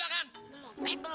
enggak enggak enggak